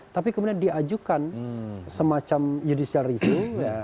tapi kemudian diajukan semacam judicial review